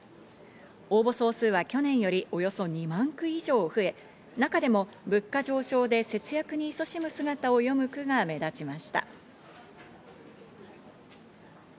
応募総数は去年よりおよそ２万句以上増え、中でも物価上昇で節約にいそしむ姿を詠む句が目立ちました。